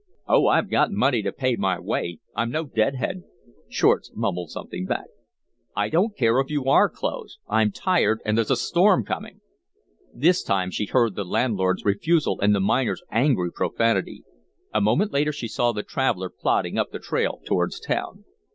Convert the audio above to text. "Oh, I've got money to pay my way. I'm no dead head." Shortz mumbled something back. "I don't care if you are closed. I'm tired and there's a storm coming." This time she heard the landlord's refusal and the miner's angry profanity. A moment later she saw the traveller plodding up the trail towards town.